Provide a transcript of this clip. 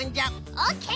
オッケー。